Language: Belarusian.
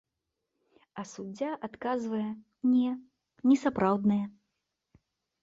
А суддзя адказвае, не, несапраўдныя.